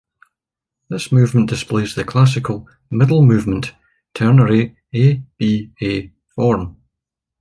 This movement displays the classical "middle movement" ternary a-b-a form.